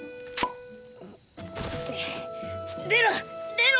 出ろ！